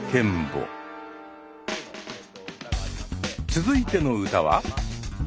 続いての歌は。